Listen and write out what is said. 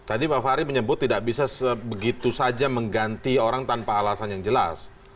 tadi pak fahri menyebut tidak bisa begitu saja mengganti orang tanpa alasan yang jelas